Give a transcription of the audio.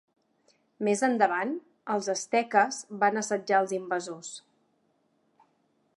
Més endavant, els asteques van assetjar als invasors.